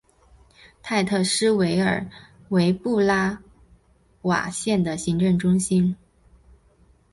泰特斯维尔为布拉瓦县的行政中心。